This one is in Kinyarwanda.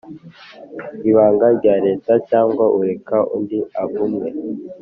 ibanga rya Leta cyangwa ureka undi avunmwe